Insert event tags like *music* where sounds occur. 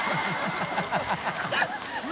ハハハ *laughs*